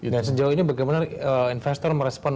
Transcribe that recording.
nah sejauh ini bagaimana investor merespon